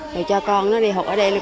thì cho con nó đi học ở đây